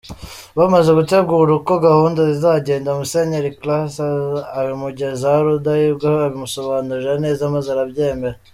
Bamaze gutegura uko gahunda zizagenda, Musenyeri Classe abigezaho Rudahigwa, abimusobanurira neza maze arabyemera.